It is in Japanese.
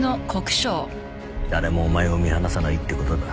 誰もお前を見放さないってことだ。